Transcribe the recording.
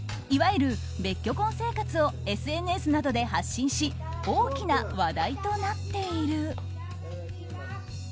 いわゆる別居婚生活をＳＮＳなどで発信し大きな話題となっている。